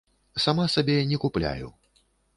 Сама сабе не купляю.